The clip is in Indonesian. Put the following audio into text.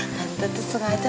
tante tuh sengaja